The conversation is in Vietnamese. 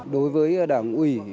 đối với đảng ủy